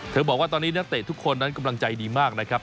เธอบอกว่าตอนนี้นัตเตทุกคนกำลังใจดีมากนะครับ